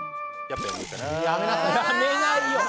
やめないよ。